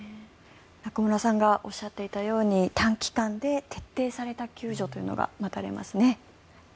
中室さんがおっしゃっていたように短期間で徹底された救助が待たれますね。